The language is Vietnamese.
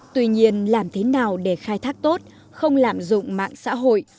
tuy nhiên làm thế nào để khai thác tốt không lạm dụng mạng xã hội